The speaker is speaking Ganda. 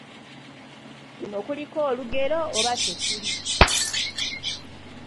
Kuno kuliko olugero oba tekuli?